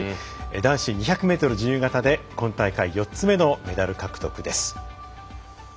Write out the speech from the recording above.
男子２００ｍ自由形で今大会４つ目のメダル獲得です。